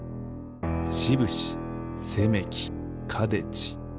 しぶしせめきかでち。